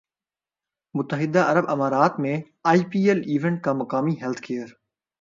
متحدہ عرب امارات میں آئی پی ایل ایونٹ کا مقامی ہیلتھ کیئر